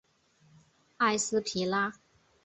埃斯皮拉。